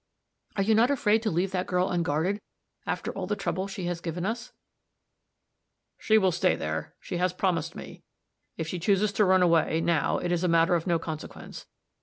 "Are you not afraid to leave that girl unguarded, after all the trouble she has given us?" "She will stay there; she has promised me. If she chooses to run away, now, it is a matter of no consequence.